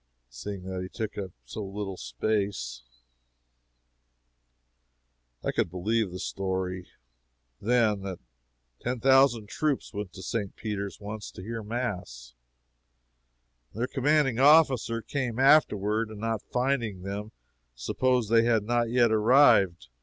Seeing that he took up so little space, I could believe the story, then, that ten thousand troops went to St. Peter's, once, to hear mass, and their commanding officer came afterward, and not finding them, supposed they had not yet arrived.